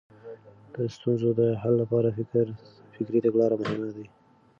د ستونزو د حل لپاره فکري تګلارې مهمې دي.